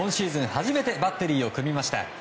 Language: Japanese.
初めてバッテリーを組みました。